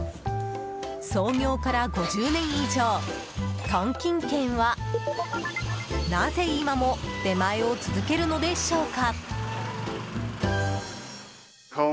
創業から５０年以上東京軒は、なぜ今も出前を続けるのでしょうか。